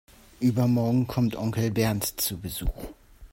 Übermorgen kommt Onkel Bernd zu Besuch.